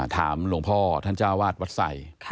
หลวงพ่อท่านเจ้าวาดวัดใส่